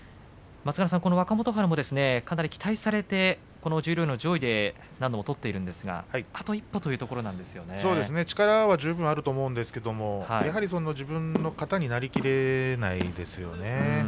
若元春もかなり期待されて十両の上位で何度も勝っていますが、あと一歩力は十分あると思うんですが自分の型になりきれないですよね。